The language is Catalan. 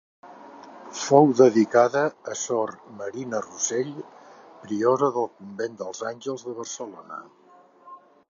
Fou dedicada a Sor Marina Rossell priora del convent dels Àngels de Barcelona.